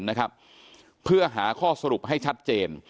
นะครับเพื่อหาข้อสรุปให้ชัดเจน